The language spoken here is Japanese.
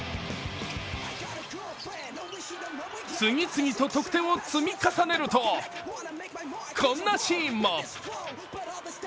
次々と得点を積み重ねるとこんなシーンも。